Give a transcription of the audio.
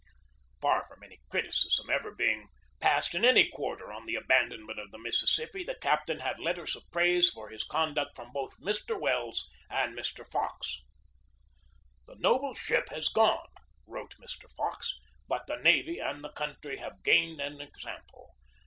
Far from any criticism ever being passed in any quarter on the abandonment of the Mississippi, the captain had letters of praise for his conduct from both Mr. Welles and Mr. Fox. "The THE BATTLE OF PORT HUDSON 105 noble ship has gone," wrote Mr. Fox, "but the navy and the country have gained an example.